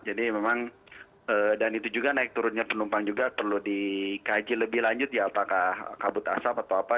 jadi memang dan itu juga naik turunnya penumpang juga perlu dikaji lebih lanjut ya apakah kabut asap atau apa